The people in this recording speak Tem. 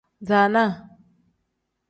Zaana.